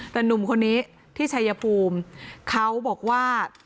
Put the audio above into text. แต่หนุ่มคนนี้ที่ชัยภูมิเขาบอกว่า